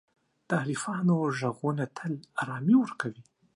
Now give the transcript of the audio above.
د عارفانو ږغونه تل آرامي ورکوي.